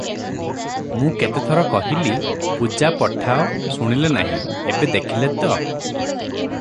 ମୂଁ କେତେ ଥର କହିଲି ପୂଜା ପଠାଅ ଶୁଣିଲେନାହିଁ, ଏବେ ଦେଖିଲେତ?